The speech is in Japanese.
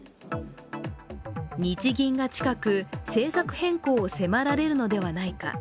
日銀が近く政策変更を迫られるのではないか。